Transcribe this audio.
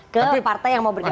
ke partai yang mau bergabung